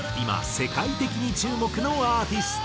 世界的に注目のアーティスト。